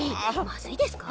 まずいですか？